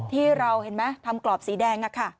ที่เราเห็นไหมทำกรอบสีแดง